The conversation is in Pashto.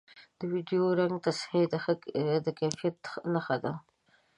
د ویډیو رنګ تصحیح د کیفیت نښه ده